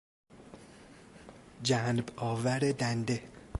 جنبآور دنده